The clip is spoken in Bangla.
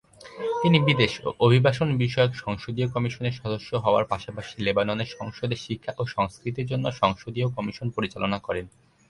তিনি বিদেশ ও অভিবাসন বিষয়ক সংসদীয় কমিশনের সদস্য হওয়ার পাশাপাশি লেবাননের সংসদে শিক্ষা ও সংস্কৃতির জন্য সংসদীয় কমিশন পরিচালনা করেন।